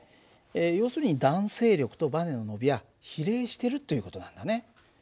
要するに弾性力とばねの伸びは比例してるという事なんだね。